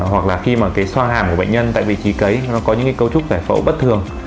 hoặc là khi mà cái xoang hàm của bệnh nhân tại vị trí kế nó có những cái cấu trúc giải phẫu bất thường